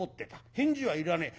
返事はいらねえ。